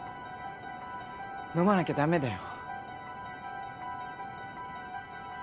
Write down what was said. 飲まなきゃダメだよ。